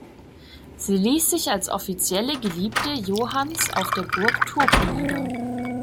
Sie ließ sich als offizielle Geliebte Johanns auf der Burg Turku nieder.